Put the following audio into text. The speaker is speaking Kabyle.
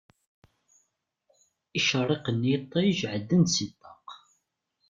Icerriqen n yiṭij ɛeddan-d si ṭṭaq.